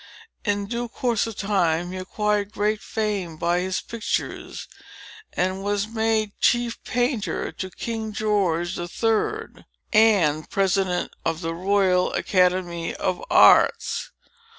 In due course of time, he acquired great fame by his pictures, and was made chief painter to King George the Third, and President of the Royal Academy of Arts.